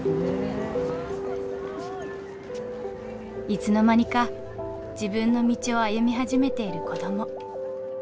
いつの間にか自分の道を歩み始めている子ども。